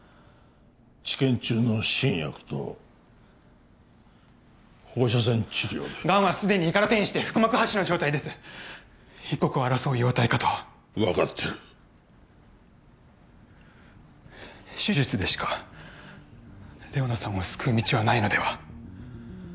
治験中の新薬と放射線治療でがんはすでに胃から転移して腹膜播種の状態です一刻を争う容体かと分かってる手術でしか玲於奈さんを救う道はないのでは？